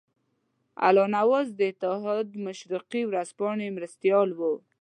الله نواز د اتحاد مشرقي ورځپاڼې مرستیال وو.